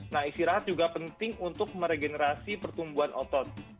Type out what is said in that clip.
nah istirahat juga penting untuk meregenerasi pertumbuhan otot